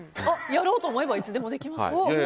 やろうと思えばいつでもできますよ。